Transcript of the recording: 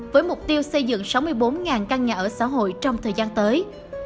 với mục tiêu xây dựng sáu mươi bốn căn nhà ở xã hội trong thời gian tới